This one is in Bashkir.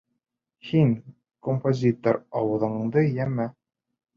Һин, композитор, ауыҙыңды йәймә!